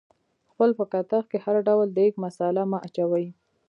خپل په کتغ کې هر ډول د دیګ مثاله مه اچوئ